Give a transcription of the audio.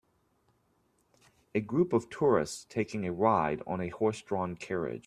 A group of tourists taking a ride on a horsedrawn carriage.